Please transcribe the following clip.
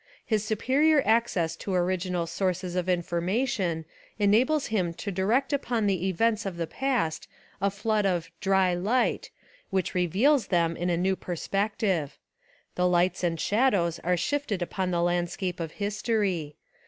His superior access to original sources of information enables him to direct upon the events of the past a flood of "dry light" which reveals them in a new perspective. The lights and shadows are shifted upon the landscape of history.